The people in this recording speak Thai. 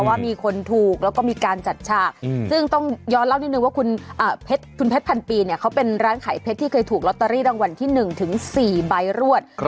ว่ามีคนถูกแล้วก็มีการจัดฉากซึ่งต้องย้อนเล่านิดนึงว่าคุณเพชรพันปีเนี่ยเขาเป็นร้านขายเพชรที่เคยถูกลอตเตอรี่รางวัลที่๑ถึง๔ใบรวด